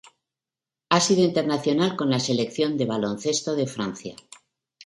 Ha sido internacional con la Selección de baloncesto de Francia.